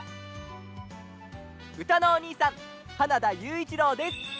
うたのおにいさん花田ゆういちろうです。